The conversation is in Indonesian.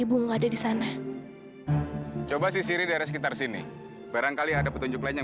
sampai jumpa di video selanjutnya